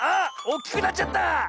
おっきくなっちゃった！